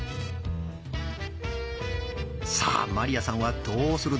さあ鞠杏さんはどうする？